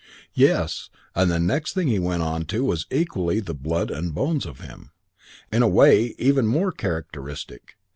Yes, and the next thing he went on to was equally the blood and bones of him. In a way even more characteristic.